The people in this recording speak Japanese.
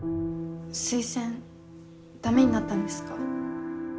推薦駄目になったんですか？